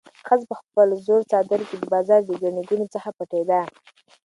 ښځه په خپل زوړ څادر کې د بازار د ګڼې ګوڼې څخه پټېده.